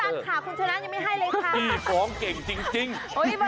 พระอาจารย์ค่ะคุณชนะยังไม่ให้เลยค่ะ